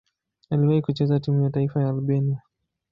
Aliwahi kucheza timu ya taifa ya Albania.